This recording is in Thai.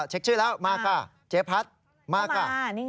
เช็คชื่อแล้วมาค่ะเจ๊พัดมาค่ะ